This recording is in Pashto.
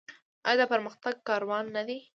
آیا د پرمختګ کاروان نه دی؟